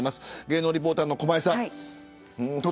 芸能リポーターの駒井さん。